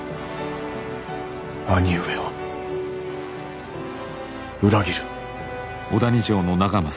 義兄上を裏切る。